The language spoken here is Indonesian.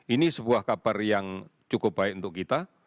ini sebuah kabar yang cukup baik untuk kita